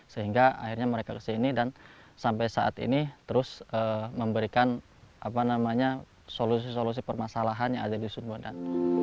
sehingga akhirnya mereka kesini dan sampai saat ini terus memberikan apa namanya solusi solusi permasalahan yang ada di sumbonan